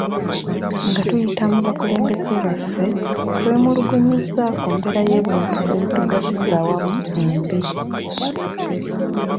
Nga tuyina mu bakulembeze baffe twemulugunyizza ku mbeera y'ebintu ebitugasiza awamu embi.